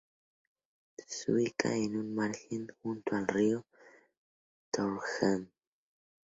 Se ubica en un margen junto al río Dordogne.